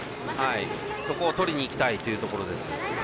そこを取りにいきたいというところです。